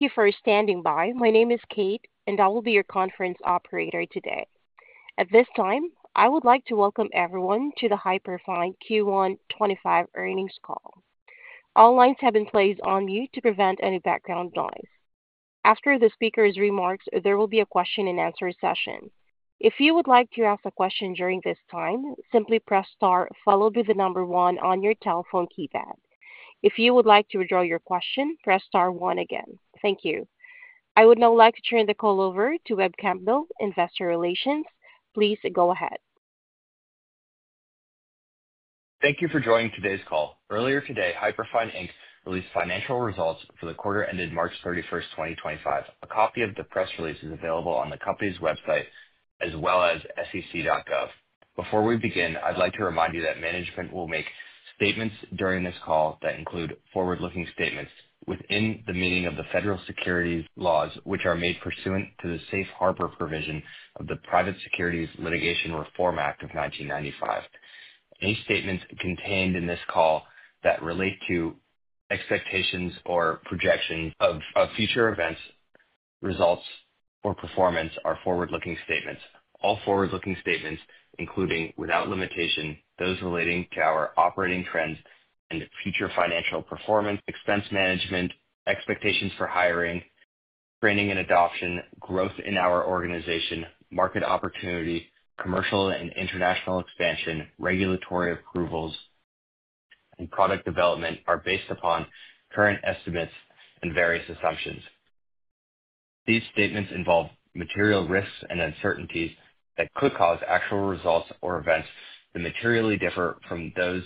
Thank you for standing by. My name is Kate, and I will be your conference operator today. At this time, I would like to welcome everyone to the Hyperfine Q1 2025 earnings call. All lines have been placed on mute to prevent any background noise. After the speaker's remarks, there will be a question-and-answer session. If you would like to ask a question during this time, simply press star, followed by the number one on your telephone keypad. If you would like to withdraw your question, press star one again. Thank you. I would now like to turn the call over to Webb Campbell, Investor Relations. Please go ahead. Thank you for joining today's call. Earlier today, Hyperfine Inc. released financial results for the quarter ended March 31st, 2025. A copy of the press release is available on the company's website as well as SEC.gov. Before we begin, I'd like to remind you that management will make statements during this call that include forward-looking statements within the meaning of the federal securities laws, which are made pursuant to the safe harbor provision of the Private Securities Litigation Reform Act of 1995. Any statements contained in this call that relate to expectations or projections of future events, results, or performance are forward-looking statements. All forward-looking statements, including without limitation, those relating to our operating trends and future financial performance, expense management, expectations for hiring, training and adoption, growth in our organization, market opportunity, commercial and international expansion, regulatory approvals, and product development are based upon current estimates and various assumptions. These statements involve material risks and uncertainties that could cause actual results or events that materially differ from those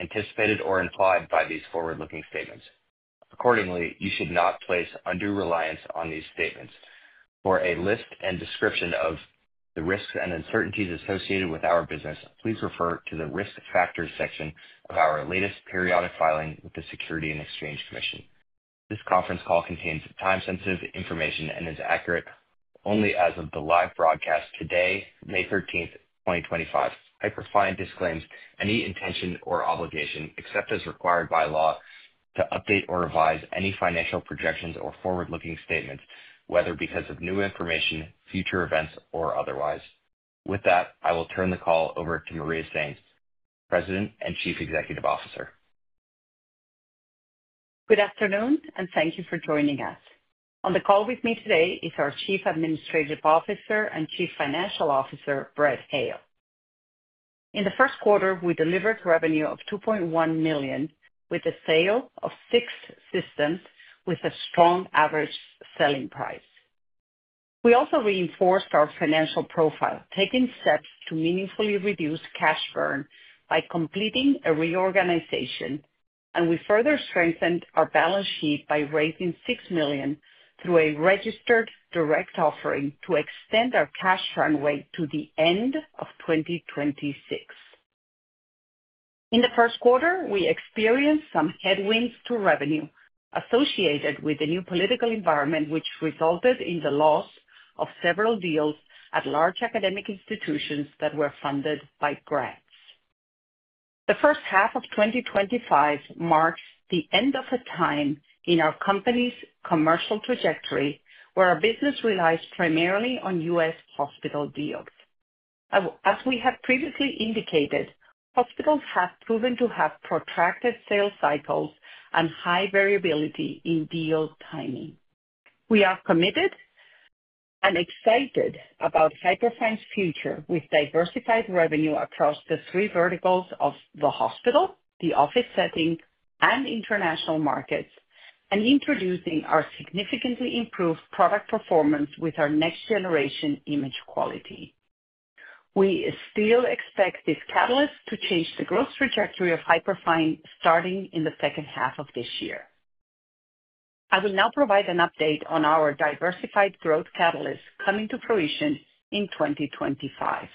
anticipated or implied by these forward-looking statements. Accordingly, you should not place undue reliance on these statements. For a list and description of the risks and uncertainties associated with our business, please refer to the risk factor section of our latest periodic filing with the U.S. Securities and Exchange Commission. This conference call contains time-sensitive information and is accurate only as of the live broadcast today, May 13th, 2025. Hyperfine disclaims any intention or obligation, except as required by law, to update or revise any financial projections or forward-looking statements, whether because of new information, future events, or otherwise. With that, I will turn the call over to Maria Sainz, President and Chief Executive Officer. Good afternoon, and thank you for joining us. On the call with me today is our Chief Administrative Officer and Chief Financial Officer, Brett Hale. In the first quarter, we delivered revenue of $2.1 million with the sale of six systems with a strong average selling price. We also reinforced our financial profile, taking steps to meaningfully reduce cash burn by completing a reorganization, and we further strengthened our balance sheet by raising $6 million through a registered direct offering to extend our cash runway to the end of 2026. In the first quarter, we experienced some headwinds to revenue associated with the new political environment, which resulted in the loss of several deals at large academic institutions that were funded by grants. The first half of 2025 marks the end of a time in our company's commercial trajectory where our business relies primarily on U.S. hospital deals. As we have previously indicated, hospitals have proven to have protracted sales cycles and high variability in deal timing. We are committed and excited about Hyperfine's future with diversified revenue across the three verticals of the hospital, the office setting, and international markets, and introducing our significantly improved product performance with our next-generation image quality. We still expect this catalyst to change the growth trajectory of Hyperfine starting in the second half of this year. I will now provide an update on our diversified growth catalyst coming to fruition in 2025.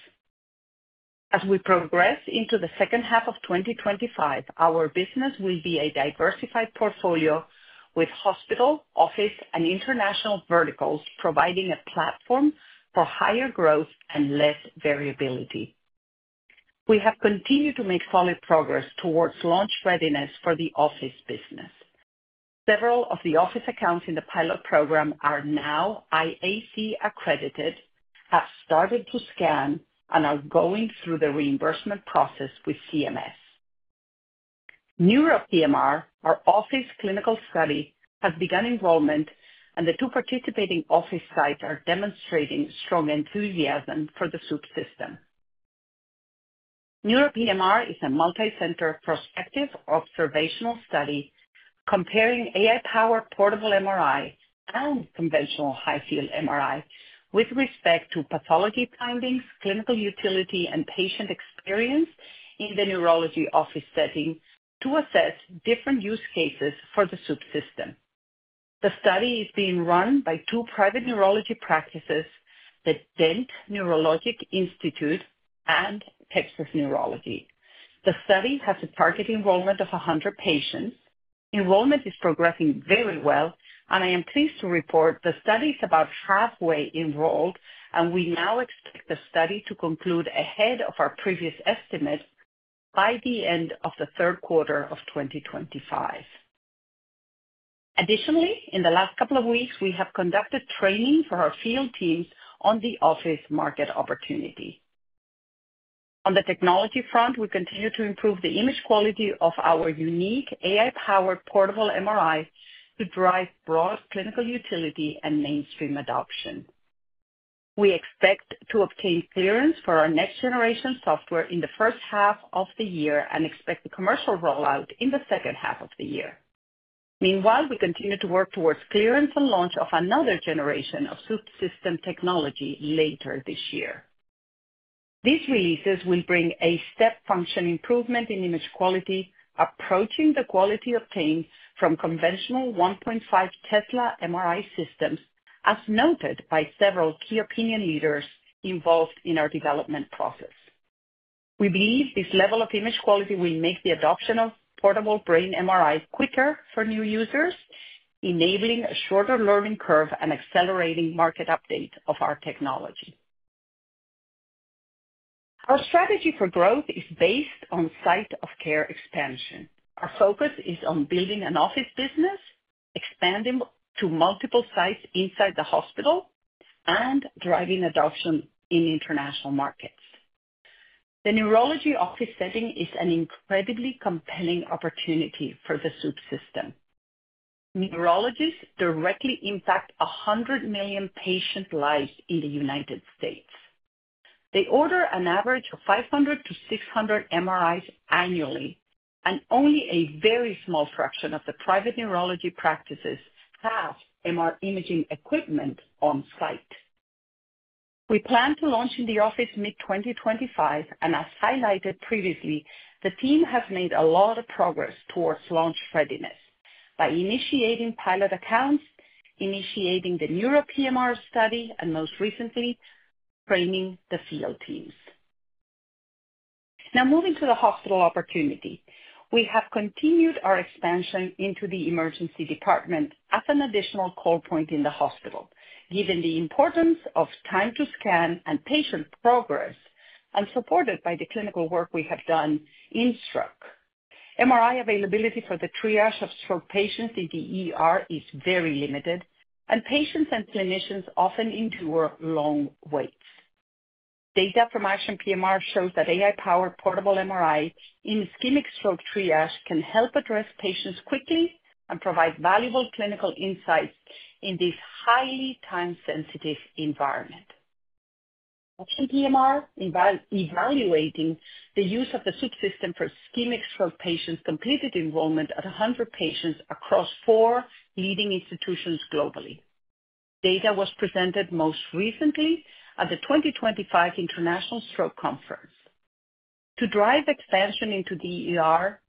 As we progress into the second half of 2025, our business will be a diversified portfolio with hospital, office, and international verticals providing a platform for higher growth and less variability. We have continued to make solid progress towards launch readiness for the office business. Several of the office accounts in the pilot program are now IAC accredited, have started to scan, and are going through the reimbursement process with CMS. NEURO PMR, our office clinical study, has begun enrollment, and the two participating office sites are demonstrating strong enthusiasm for the Swoop system. NEURO PMR is a multi-center prospective observational study comparing AI-powered portable MRI and conventional high-field MRI with respect to pathology findings, clinical utility, and patient experience in the neurology office setting to assess different use cases for the Swoop system. The study is being run by two private neurology practices, the DENT Neurologic Institute and Texas Neurology. The study has a target enrollment of 100 patients. Enrollment is progressing very well, and I am pleased to report the study is about halfway enrolled, and we now expect the study to conclude ahead of our previous estimate by the end of the third quarter of 2025. Additionally, in the last couple of weeks, we have conducted training for our field teams on the office market opportunity. On the technology front, we continue to improve the image quality of our unique AI-powered portable MRI to drive broad clinical utility and mainstream adoption. We expect to obtain clearance for our next-generation software in the first half of the year and expect the commercial rollout in the second half of the year. Meanwhile, we continue to work towards clearance and launch of another generation of Swoop system technology later this year. These releases will bring a step function improvement in image quality, approaching the quality obtained from conventional 1.5 Tesla MRI systems, as noted by several key opinion leaders involved in our development process. We believe this level of image quality will make the adoption of portable brain MRI quicker for new users, enabling a shorter learning curve and accelerating market uptake of our technology. Our strategy for growth is based on site-of-care expansion. Our focus is on building an office business, expanding to multiple sites inside the hospital, and driving adoption in international markets. The neurology office setting is an incredibly compelling opportunity for the Swoop system. Neurologists directly impact 100 million patient lives in the United States. They order an average of 500-600 MRIs annually, and only a very small fraction of the private neurology practices have MR imaging equipment on site. We plan to launch in the office mid-2025, and as highlighted previously, the team has made a lot of progress towards launch readiness by initiating pilot accounts, initiating the NEURO PMR study, and most recently, training the field teams. Now, moving to the hospital opportunity. We have continued our expansion into the emergency department as an additional call point in the hospital, given the importance of time to scan and patient progress, and supported by the clinical work we have done in stroke. MRI availability for the triage of stroke patients in the ER is very limited, and patients and clinicians often endure long waits. Data from ACTION PMR shows that AI-powered portable MRI in ischemic stroke triage can help address patients quickly and provide valuable clinical insights in this highly time-sensitive environment. ACTION PMR is evaluating the use of the Swoop system for ischemic stroke patients, completed enrollment at 100 patients across four leading institutions globally. Data was presented most recently at the 2025 International Stroke Conference. To drive expansion into the ER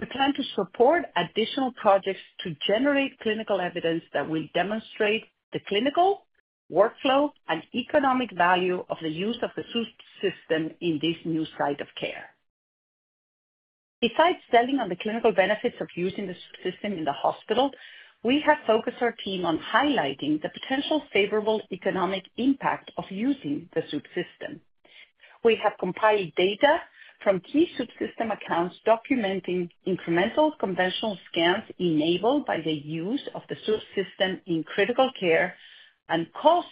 we plan to support additional projects to generate clinical evidence that will demonstrate the clinical workflow and economic value of the use of the Swoop system in this new site of care. Besides selling on the clinical benefits of using the Swoop system in the hospital, we have focused our team on highlighting the potential favorable economic impact of using the Swoop system. We have compiled data from key Swoop system accounts documenting incremental conventional scans enabled by the use of the Swoop system in critical care and cost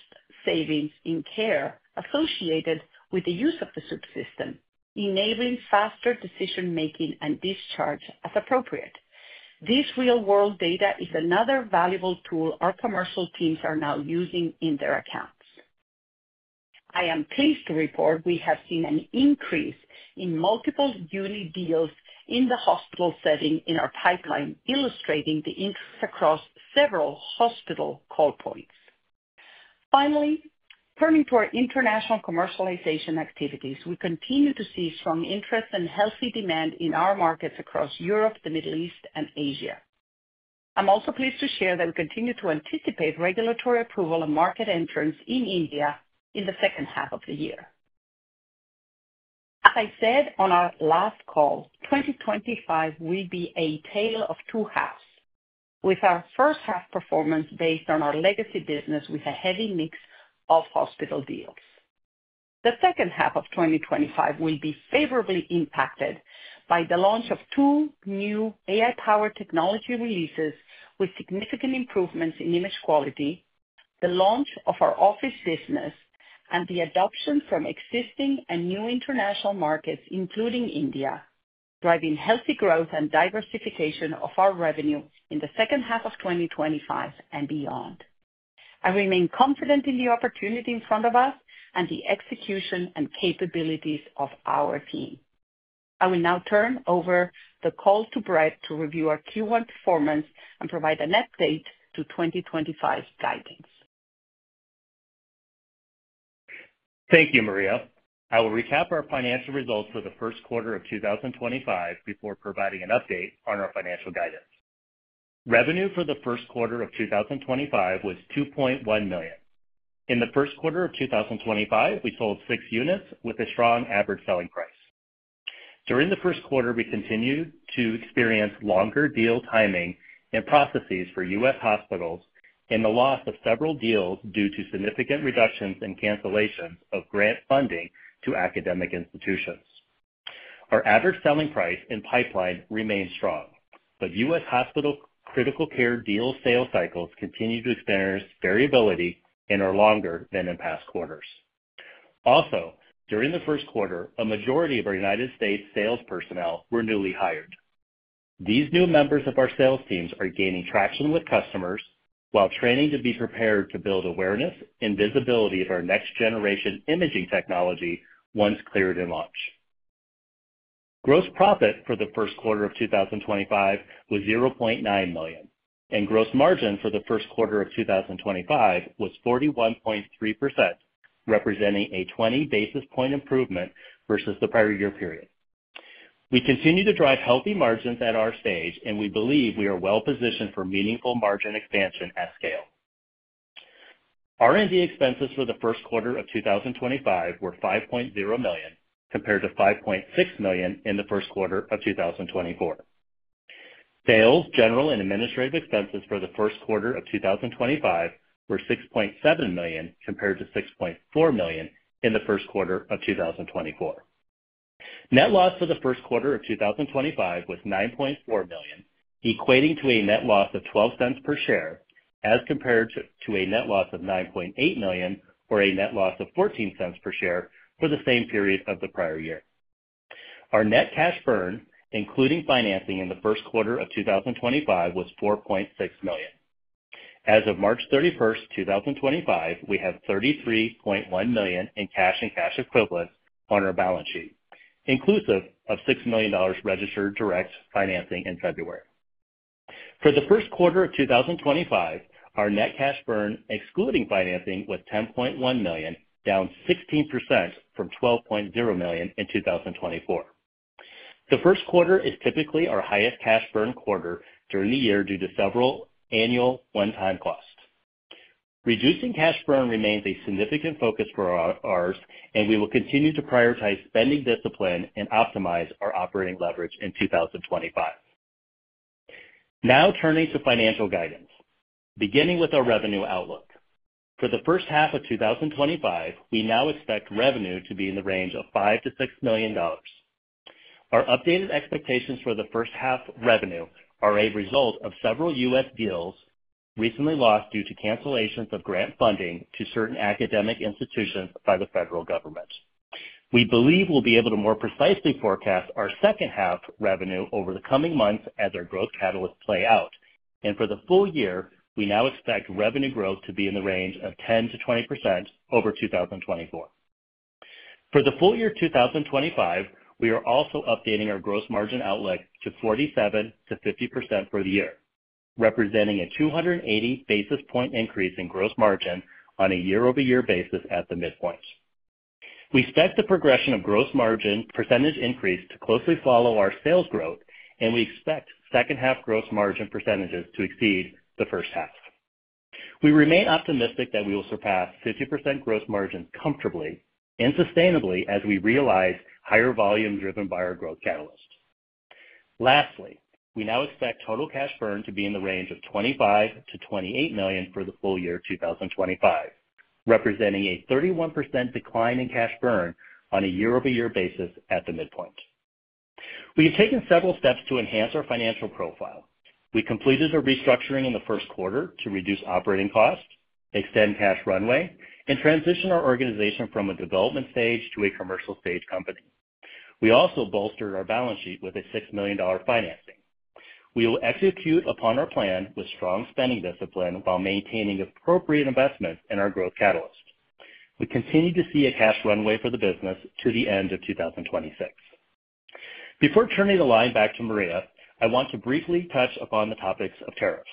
savings in care associated with the use of the Swoop system, enabling faster decision-making and discharge as appropriate. This real-world data is another valuable tool our commercial teams are now using in their accounts. I am pleased to report we have seen an increase in multiple unit deals in the hospital setting in our pipeline, illustrating the interest across several hospital call points. Finally, turning to our international commercialization activities, we continue to see strong interest and healthy demand in our markets across Europe, the Middle East, and Asia. I'm also pleased to share that we continue to anticipate regulatory approval and market entrance in India in the second half of the year. As I said on our last call, 2025 will be a tale of two halves, with our first half performance based on our legacy business with a heavy mix of hospital deals. The second half of 2025 will be favorably impacted by the launch of two new AI-powered technology releases with significant improvements in image quality, the launch of our office business, and the adoption from existing and new international markets, including India, driving healthy growth and diversification of our revenue in the second half of 2025 and beyond. I remain confident in the opportunity in front of us and the execution and capabilities of our team. I will now turn over the call to Brett to review our Q1 performance and provide an update to 2025 guidance. Thank you, Maria. I will recap our financial results for the first quarter of 2025 before providing an update on our financial guidance. Revenue for the first quarter of 2025 was $2.1 million. In the first quarter of 2025, we sold six units with a strong average selling price. During the first quarter, we continued to experience longer deal timing and processes for U.S. hospitals and the loss of several deals due to significant reductions and cancellations of grant funding to academic institutions. Our average selling price in pipeline remained strong, but U.S. hospital critical care deal sales cycles continue to experience variability and are longer than in past quarters. Also, during the first quarter, a majority of our United States sales personnel were newly hired. These new members of our sales teams are gaining traction with customers while training to be prepared to build awareness and visibility of our next-generation imaging technology once cleared and launched. Gross profit for the first quarter of 2025 was $0.9 million, and gross margin for the first quarter of 2025 was 41.3%, representing a 20 basis point improvement versus the prior year period. We continue to drive healthy margins at our stage, and we believe we are well-positioned for meaningful margin expansion at scale. R&D expenses for the first quarter of 2025 were $5.0 million compared to $5.6 million in the first quarter of 2024. Sales, general, and administrative expenses for the first quarter of 2025 were $6.7 million compared to $6.4 million in the first quarter of 2024. Net loss for the first quarter of 2025 was $9.4 million, equating to a net loss of $0.12 per share as compared to a net loss of $9.8 million or a net loss of $0.14 per share for the same period of the prior year. Our net cash burn, including financing in the first quarter of 2025, was $4.6 million. As of March 31st, 2025, we have $33.1 million in cash and cash equivalents on our balance sheet, inclusive of $6 million registered direct financing in February. For the first quarter of 2025, our net cash burn excluding financing was $10.1 million, down 16% from $12.0 million in 2024. The first quarter is typically our highest cash burn quarter during the year due to several annual one-time costs. Reducing cash burn remains a significant focus for ours, and we will continue to prioritize spending discipline and optimize our operating leverage in 2025. Now, turning to financial guidance, beginning with our revenue outlook. For the first half of 2025, we now expect revenue to be in the range of $5million-$6 million. Our updated expectations for the first half revenue are a result of several U.S. deals recently lost due to cancellations of grant funding to certain academic institutions by the federal government. We believe we'll be able to more precisely forecast our second half revenue over the coming months as our growth catalysts play out, and for the full year, we now expect revenue growth to be in the range of 10%-20% over 2024. For the full year 2025, we are also updating our gross margin outlook to 47%-50% for the year, representing a 280 basis point increase in gross margin on a year-over-year basis at the midpoint. We expect the progression of gross margin percentage increase to closely follow our sales growth, and we expect second-half gross margin percentages to exceed the first half. We remain optimistic that we will surpass 50% gross margin comfortably and sustainably as we realize higher volume driven by our growth catalyst. Lastly, we now expect total cash burn to be in the range of $25 million-$28 million for the full year 2025, representing a 31% decline in cash burn on a year-over-year basis at the midpoint. We have taken several steps to enhance our financial profile. We completed a restructuring in the first quarter to reduce operating costs, extend cash runway, and transition our organization from a development stage to a commercial stage company. We also bolstered our balance sheet with a $6 million financing. We will execute upon our plan with strong spending discipline while maintaining appropriate investments in our growth catalyst. We continue to see a cash runway for the business to the end of 2026. Before turning the line back to Maria, I want to briefly touch upon the topics of tariffs.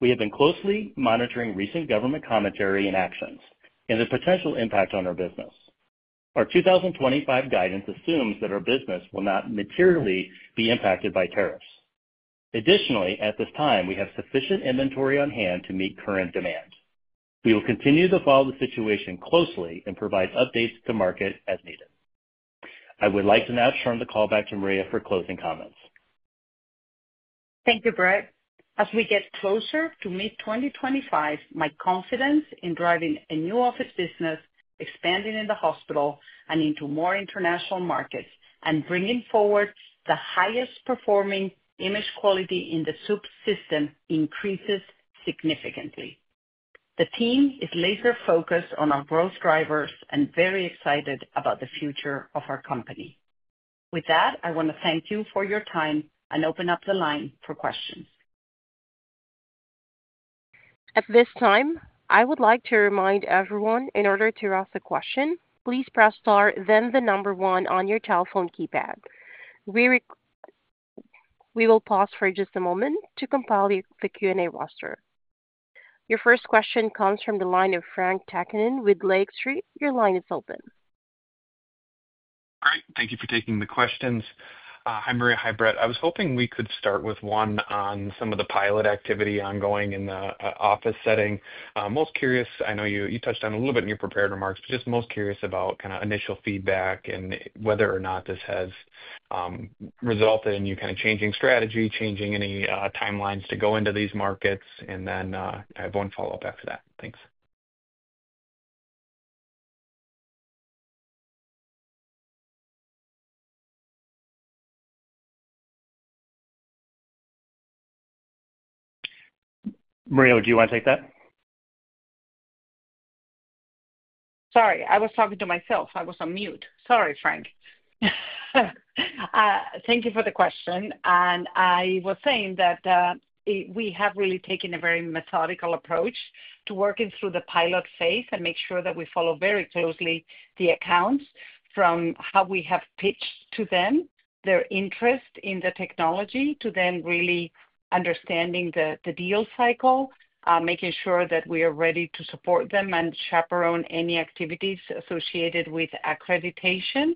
We have been closely monitoring recent government commentary and actions and the potential impact on our business. Our 2025 guidance assumes that our business will not materially be impacted by tariffs. Additionally, at this time, we have sufficient inventory on hand to meet current demand. We will continue to follow the situation closely and provide updates to market as needed. I would like to now turn the call back to Maria for closing comments. Thank you, Brett. As we get closer to mid-2025, my confidence in driving a new office business, expanding in the hospital and into more international markets, and bringing forward the highest performing image quality in the Swoop system increases significantly. The team is laser-focused on our growth drivers and very excited about the future of our company. With that, I want to thank you for your time and open up the line for questions. At this time, I would like to remind everyone in order to ask a question, please press star, then the number one on your telephone keypad. We will pause for just a moment to compile the Q&A roster. Your first question comes from the line of Frank Takkinen with Lake Street. Your line is open. All right. Thank you for taking the questions. Hi, Maria. Hi, Brett. I was hoping we could start with one on some of the pilot activity ongoing in the office setting. Most curious, I know you touched on a little bit in your prepared remarks, but just most curious about kind of initial feedback and whether or not this has resulted in you kind of changing strategy, changing any timelines to go into these markets, and then I have one follow-up after that. Thanks. Maria, would you want to take that? Sorry, I was talking to myself. I was on mute. Sorry, Frank. Thank you for the question. I was saying that we have really taken a very methodical approach to working through the pilot phase and make sure that we follow very closely the accounts from how we have pitched to them, their interest in the technology to then really understanding the deal cycle, making sure that we are ready to support them and chaperone any activities associated with accreditation,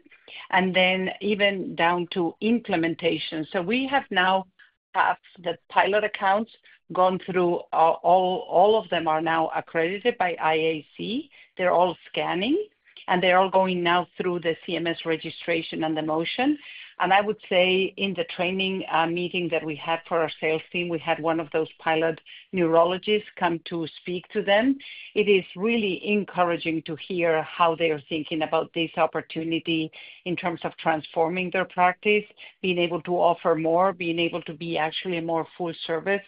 and then even down to implementation. We have now had the pilot accounts gone through. All of them are now accredited by IAC. They are all scanning, and they are all going now through the CMS registration and the motion. I would say in the training meeting that we had for our sales team, we had one of those pilot neurologists come to speak to them. It is really encouraging to hear how they are thinking about this opportunity in terms of transforming their practice, being able to offer more, being able to be actually a more full-service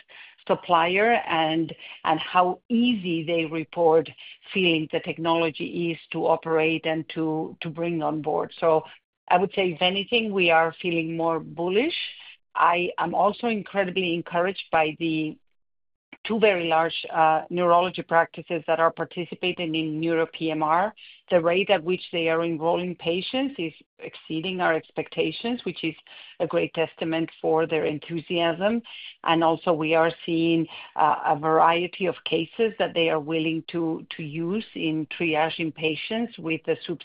supplier, and how easy they report feeling the technology is to operate and to bring on board. I would say, if anything, we are feeling more bullish. I am also incredibly encouraged by the two very large neurology practices that are participating in NEURO PMR. The rate at which they are enrolling patients is exceeding our expectations, which is a great testament for their enthusiasm. Also, we are seeing a variety of cases that they are willing to use in triaging patients with the Swoop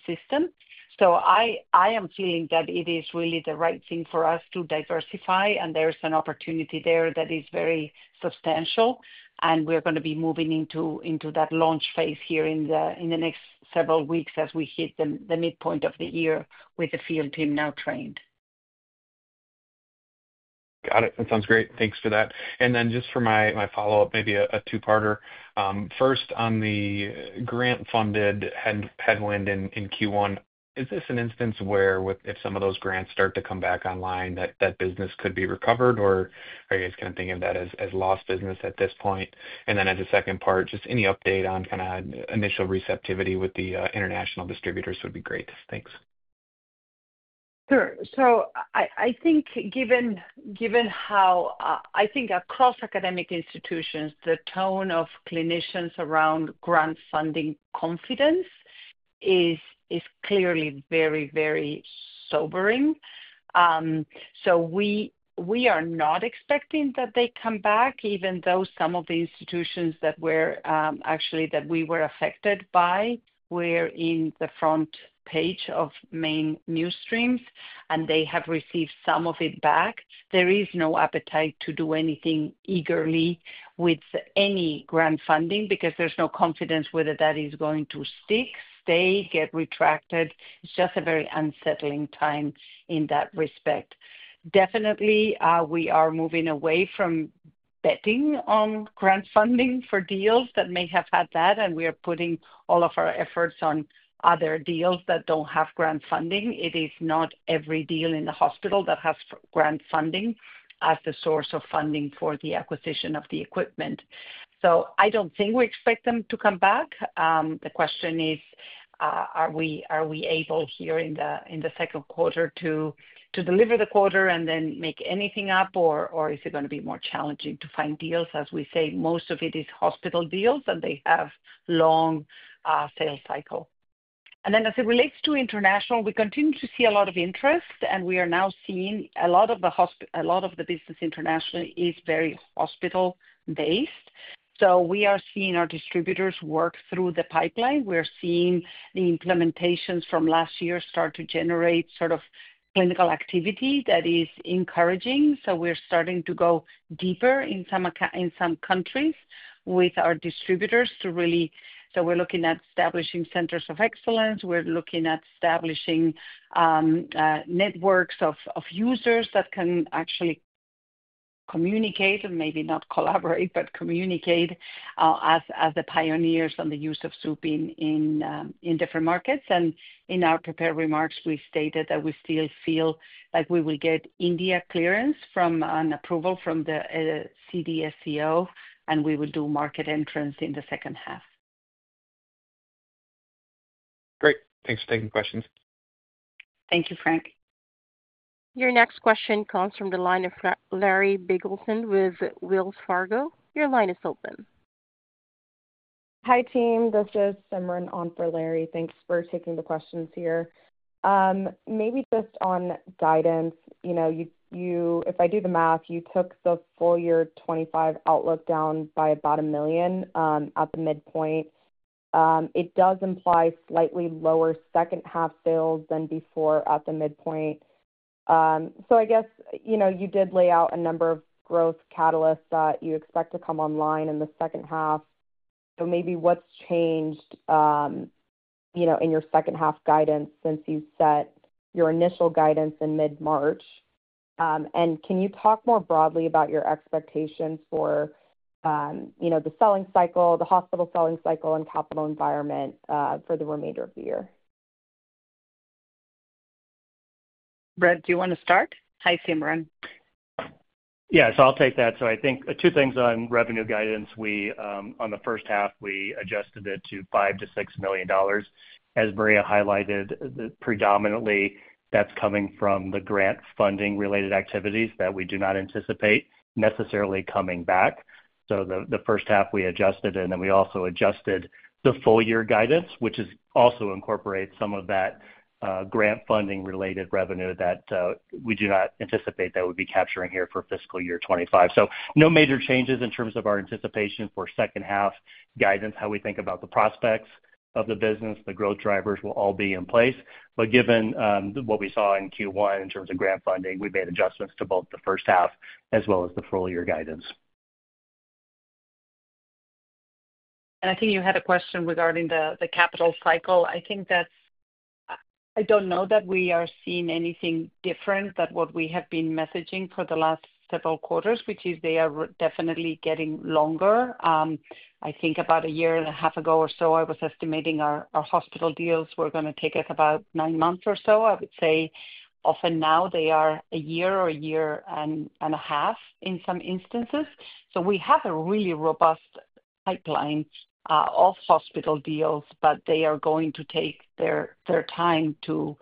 system. I am feeling that it is really the right thing for us to diversify, and there's an opportunity there that is very substantial, and we're going to be moving into that launch phase here in the next several weeks as we hit the midpoint of the year with the field team now trained. Got it. That sounds great. Thanks for that. Just for my follow-up, maybe a two-parter. First, on the grant-funded headwind in Q1, is this an instance where, if some of those grants start to come back online, that business could be recovered, or are you guys kind of thinking of that as lost business at this point? As a second part, just any update on kind of initial receptivity with the international distributors would be great. Thanks. Sure. I think given how I think across academic institutions, the tone of clinicians around grant funding confidence is clearly very, very sobering. We are not expecting that they come back, even though some of the institutions that we were actually affected by were on the front page of main news streams, and they have received some of it back. There is no appetite to do anything eagerly with any grant funding because there is no confidence whether that is going to stick, stay, get retracted. It is just a very unsettling time in that respect. Definitely, we are moving away from betting on grant funding for deals that may have had that, and we are putting all of our efforts on other deals that do not have grant funding. It is not every deal in the hospital that has grant funding as the source of funding for the acquisition of the equipment. I don't think we expect them to come back. The question is, are we able here in the second quarter to deliver the quarter and then make anything up, or is it going to be more challenging to find deals? As we say, most of it is hospital deals, and they have a long sales cycle. As it relates to international, we continue to see a lot of interest, and we are now seeing a lot of the business internationally is very hospital-based. We are seeing our distributors work through the pipeline. We are seeing the implementations from last year start to generate sort of clinical activity that is encouraging. We're starting to go deeper in some countries with our distributors to really—so we're looking at establishing centers of excellence. We're looking at establishing networks of users that can actually communicate, and maybe not collaborate, but communicate as the pioneers on the use of Swoop in different markets. In our prepared remarks, we stated that we still feel that we will get India clearance and approval from the CDSCO, and we will do market entrance in the second half. Great. Thanks for taking the questions. Thank you, Frank. Your next question comes from the line of Larry Biegelsen with Wells Fargo. Your line is open. Hi, team. This is Simran on for Larry. Thanks for taking the questions here. Maybe just on guidance, if I do the math, you took the full year 2025 outlook down by about $1 million at the midpoint. It does imply slightly lower second-half sales than before at the midpoint. I guess you did lay out a number of growth catalysts that you expect to come online in the second half. Maybe what's changed in your second-half guidance since you set your initial guidance in mid-March? Can you talk more broadly about your expectations for the selling cycle, the hospital selling cycle, and capital environment for the remainder of the year? Brett, do you want to start? Hi, Simran. Yeah. I'll take that. I think two things on revenue guidance. On the first half, we adjusted it to $5milion-$6 million. As Maria highlighted, predominantly, that's coming from the grant funding-related activities that we do not anticipate necessarily coming back. The first half, we adjusted it, and then we also adjusted the full year guidance, which also incorporates some of that grant funding-related revenue that we do not anticipate that we'd be capturing here for fiscal year 2025. No major changes in terms of our anticipation for second-half guidance, how we think about the prospects of the business. The growth drivers will all be in place. Given what we saw in Q1 in terms of grant funding, we've made adjustments to both the first half as well as the full year guidance. I think you had a question regarding the capital cycle. I think that I do not know that we are seeing anything different than what we have been messaging for the last several quarters, which is they are definitely getting longer. I think about a year and a half ago or so, I was estimating our hospital deals were going to take us about nine months or so. I would say often now they are a year or a year and a half in some instances. We have a really robust pipeline of hospital deals, but they are going to take their time to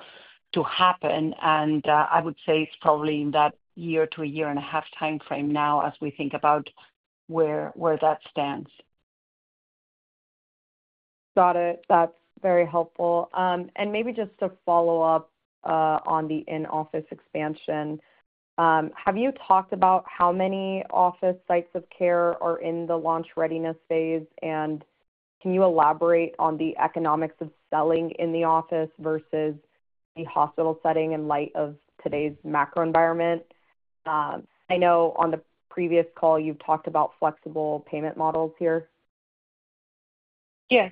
happen. I would say it is probably in that year to a year and a half timeframe now as we think about where that stands. Got it. That's very helpful. Maybe just to follow up on the in-office expansion, have you talked about how many office sites of care are in the launch readiness phase? Can you elaborate on the economics of selling in the office versus the hospital setting in light of today's macro environment? I know on the previous call, you've talked about flexible payment models here. Yes.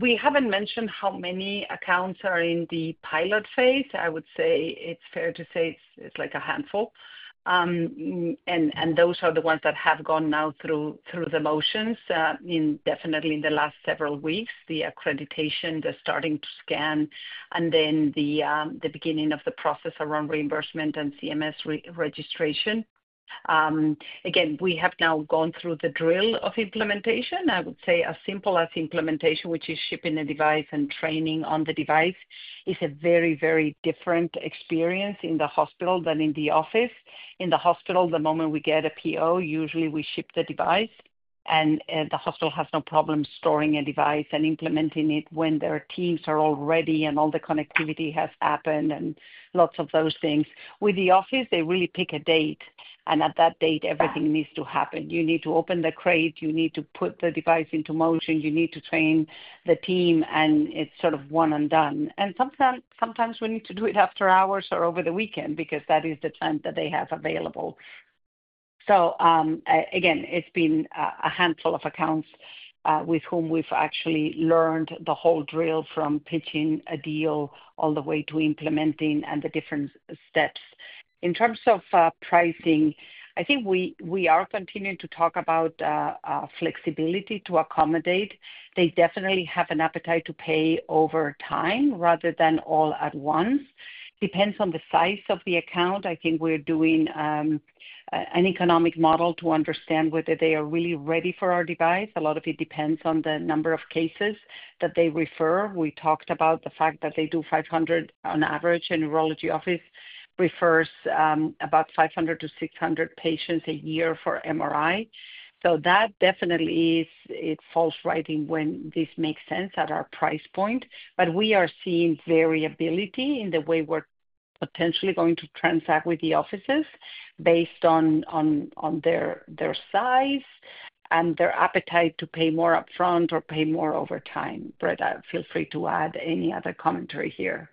We have not mentioned how many accounts are in the pilot phase. I would say it is fair to say it is like a handful. Those are the ones that have gone now through the motions, definitely in the last several weeks, the accreditation, the starting to scan, and then the beginning of the process around reimbursement and CMS registration. Again, we have now gone through the drill of implementation. I would say as simple as implementation, which is shipping a device and training on the device, is a very, very different experience in the hospital than in the office. In the hospital, the moment we get a PO, usually we ship the device, and the hospital has no problem storing a device and implementing it when their teams are all ready and all the connectivity has happened and lots of those things. With the office, they really pick a date, and at that date, everything needs to happen. You need to open the crate. You need to put the device into motion. You need to train the team, and it's sort of one and done. Sometimes we need to do it after hours or over the weekend because that is the time that they have available. Again, it's been a handful of accounts with whom we've actually learned the whole drill from pitching a deal all the way to implementing and the different steps. In terms of pricing, I think we are continuing to talk about flexibility to accommodate. They definitely have an appetite to pay over time rather than all at once. Depends on the size of the account. I think we're doing an economic model to understand whether they are really ready for our device. A lot of it depends on the number of cases that they refer. We talked about the fact that they do 500 on average, and neurology office refers about 500-600 patients a year for MRI. That definitely is false writing when this makes sense at our price point. We are seeing variability in the way we're potentially going to transact with the offices based on their size and their appetite to pay more upfront or pay more over time. Brett, feel free to add any other commentary here.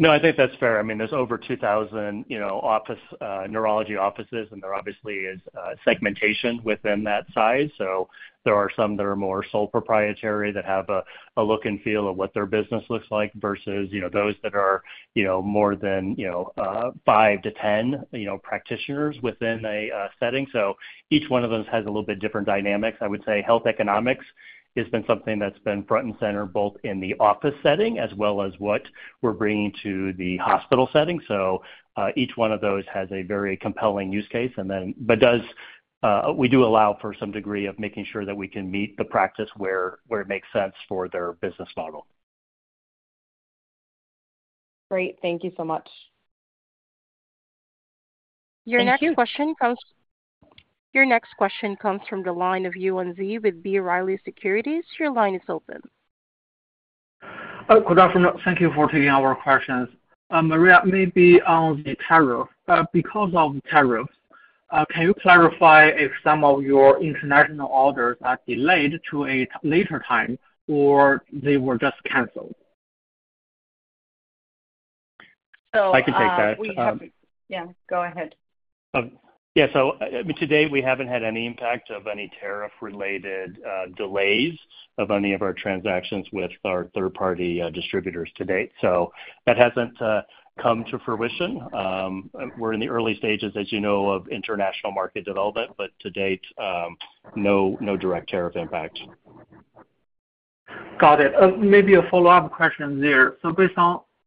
No, I think that's fair. I mean, there's over 2,000 neurology offices, and there obviously is segmentation within that size. There are some that are more sole proprietary that have a look and feel of what their business looks like versus those that are more than 5-10 practitioners within a setting. Each one of those has a little bit different dynamics. I would say health economics has been something that's been front and center both in the office setting as well as what we're bringing to the hospital setting. Each one of those has a very compelling use case, but we do allow for some degree of making sure that we can meet the practice where it makes sense for their business model. Great. Thank you so much. Your next question comes from the line of Yuan Zhi with B. Riley Securities. Your line is open. Good afternoon. Thank you for taking our questions. Maria, maybe on the tariff. Because of the tariffs, can you clarify if some of your international orders are delayed to a later time or they were just canceled? I can take that. Yeah. Go ahead. Yeah. Today, we haven't had any impact of any tariff-related delays of any of our transactions with our third-party distributors to date. That hasn't come to fruition. We're in the early stages, as you know, of international market development, but to date, no direct tariff impact. Got it. Maybe a follow-up question there. For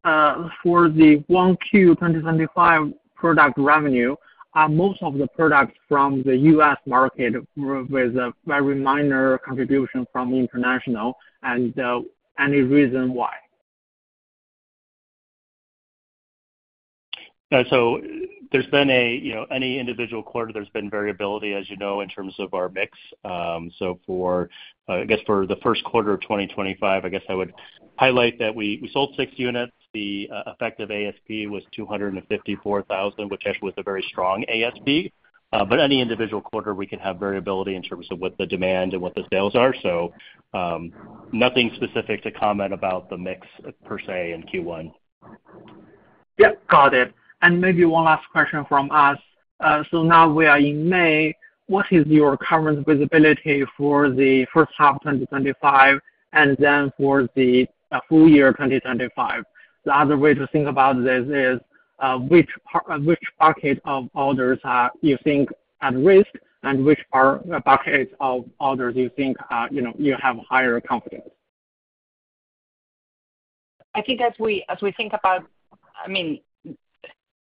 the 1Q 2025 product revenue, most of the products from the U.S. market with a very minor contribution from international, and any reason why? There's been any individual quarter, there's been variability, as you know, in terms of our mix. I guess for the first quarter of 2025, I would highlight that we sold six units. The effective ASP was $254,000, which actually was a very strong ASP. Any individual quarter, we can have variability in terms of what the demand and what the sales are. Nothing specific to comment about the mix per se in Q1. Yeah. Got it. Maybe one last question from us. Now we are in May. What is your current visibility for the first half of 2025 and then for the full year 2025? The other way to think about this is which bucket of orders you think are at risk and which buckets of orders you think you have higher confidence? I think as we think about, I mean,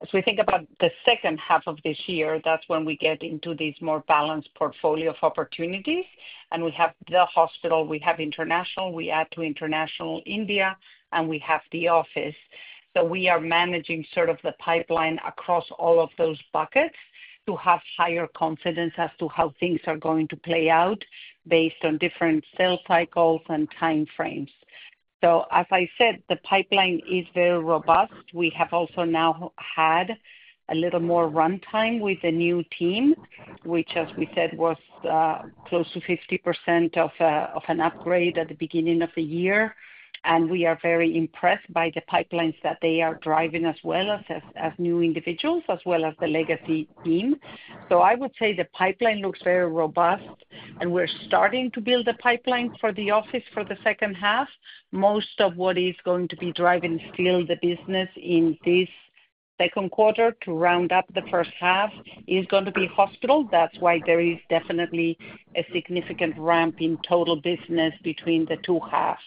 as we think about the second half of this year, that's when we get into this more balanced portfolio of opportunities. We have the hospital, we have international, we add to international, India, and we have the office. We are managing sort of the pipeline across all of those buckets to have higher confidence as to how things are going to play out based on different sales cycles and time frames. As I said, the pipeline is very robust. We have also now had a little more runtime with the new team, which, as we said, was close to 50% of an upgrade at the beginning of the year. We are very impressed by the pipelines that they are driving as well as new individuals as well as the legacy team. I would say the pipeline looks very robust, and we're starting to build a pipeline for the office for the second half. Most of what is going to be driving still the business in this second quarter to round up the first half is going to be hospital. That's why there is definitely a significant ramp in total business between the two halves,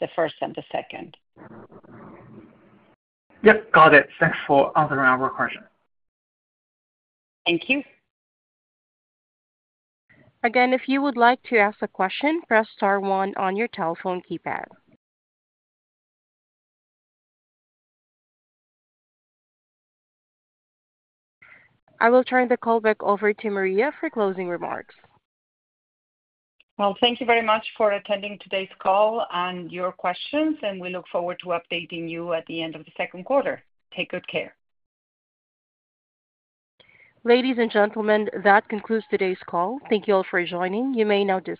the first and the second. Yep. Got it. Thanks for answering our question. Thank you. Again, if you would like to ask a question, press star one on your telephone keypad. I will turn the call back over to Maria for closing remarks. Thank you very much for attending today's call and your questions, and we look forward to updating you at the end of the second quarter. Take good care. Ladies and gentlemen, that concludes today's call. Thank you all for joining. You may now disconnect.